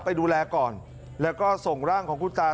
ไปดูแลก่อนแล้วก็ส่งร่างของคุณตา